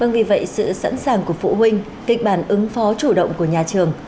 vì vậy sự sẵn sàng của phụ huynh kịch bản ứng phó chủ động của nhà trường